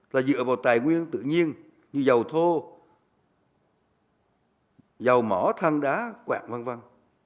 là dựa vào tài nguyên tự nhiên như dầu thô dầu mỏ thăng đá quạt văn văn